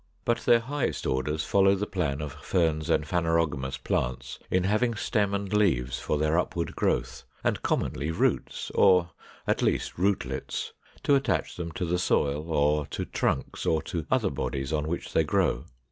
But their highest orders follow the plan of Ferns and phanerogamous plants in having stem and leaves for their upward growth, and commonly roots, or at least rootlets, to attach them to the soil, or to trunks, or to other bodies on which they grow.